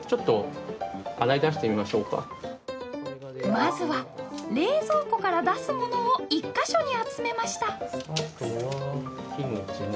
まずは「冷蔵庫から出す」ものを１か所に集めました。